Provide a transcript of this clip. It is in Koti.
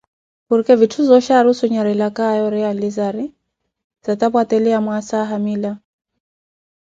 Porki vittu zooshi aari ossonharelakaye orealizari zatapwateleya Mwassa wa hamila